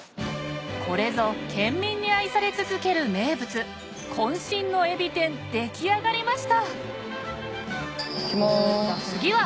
これぞ県民に愛され続ける名物渾身のえび天出来上がりました！